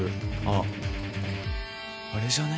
ああれじゃね？